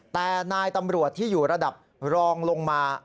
แต่นายตำรวจที่อยู่ระดับรองลงมา